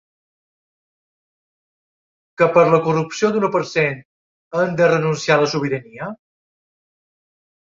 Que per la corrupció d’un u per cent hem de renunciar a la sobirania?